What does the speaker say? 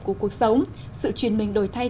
của cuộc sống sự chuyển mình đổi thay